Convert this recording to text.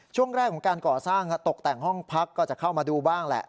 ช่วงแรกของการก่อสร้างตกแต่งห้องพักก็จะเข้ามาดูบ้างแหละ